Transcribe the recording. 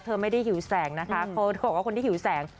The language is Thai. เธอไม่ได้หิวแสงนะคะเขาบอกว่าคนที่หิวแสง